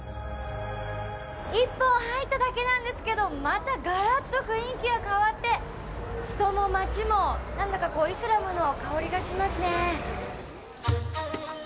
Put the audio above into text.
１本入っただけなんですけど、またガラッと雰囲気が変わって、人も街も、なんだかこう、イスラムの香りがしますね。